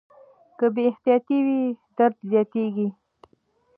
که بې احتیاطي وي درد زیاتېږي.